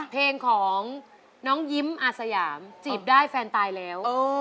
เพลงของน้องยิ้มอาสยามจีบได้แฟนตายแล้ว